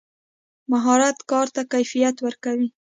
مهارت کار ته کیفیت ورکوي.